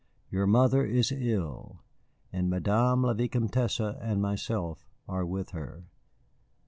Your mother is ill, and Madame la Vicomtesse and myself are with her.